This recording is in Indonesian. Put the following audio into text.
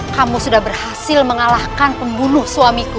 kamu sudah berhasil mengalahkan pembunuh suamiku